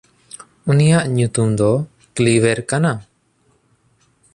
ᱩᱱᱤᱭᱟᱜ ᱧᱩᱛᱩᱢ ᱫᱚ ᱠᱞᱤᱣᱮᱨ ᱠᱟᱱᱟ᱾